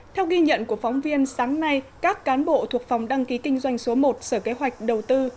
theo ghi nhận của phóng viên sáng nay các cán bộ thuộc phòng đăng ký kinh doanh số một sở kế hoạch đầu tư